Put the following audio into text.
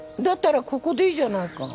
だったらここでいいじゃないか。